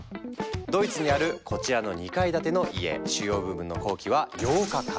ドイツにあるこちらの２階建ての家主要部分の工期は８日間。